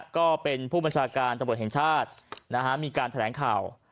ก็เป็นผู้บัญชาการตำรวจแห่งชาติมีการแถลงข่าว